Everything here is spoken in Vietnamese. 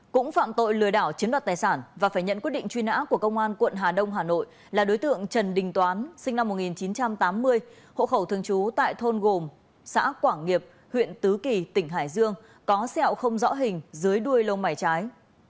cũng phạm tội lừa đảo chiếm đoạt tài sản và phải nhận quyết định truy nã của công an quận hà đông hà nội là đối tượng trần đình toán sinh năm một nghìn chín trăm tám mươi hộ khẩu thường trú tại thôn gồm xã quảng nghiệp huyện tứ kỳ tỉnh hải dương có sẹo không rõ hình dưới đuôi lông mảy trái